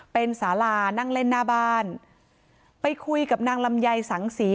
เป็นสารานั่งเล่นหน้าบ้านไปคุยกับนางลำไยสังศรี